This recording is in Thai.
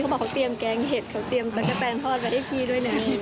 บอกเขาเตรียมแกงเห็ดเขาเตรียมตะกะแตนทอดไว้ให้พี่ด้วยนะ